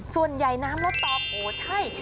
ส่วนใหญ่น้ำลดตองโอ้ใช่